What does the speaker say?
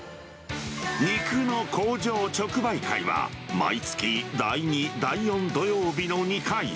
肉の工場直売会は、毎月第２、第４土曜日の２回。